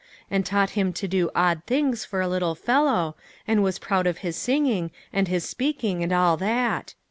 And taught him to do odd things, for a little fellow, and was proud of his singing, and his speaking, and all that.